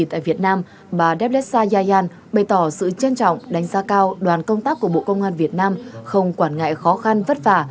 tại việt nam bà devessayaan bày tỏ sự trân trọng đánh giá cao đoàn công tác của bộ công an việt nam không quản ngại khó khăn vất vả